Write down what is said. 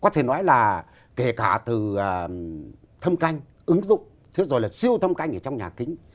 có thể nói là kể cả từ thâm canh ứng dụng thế rồi là siêu thâm canh ở trong nhà kính